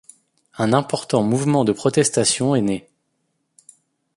Un important mouvement de protestation est né.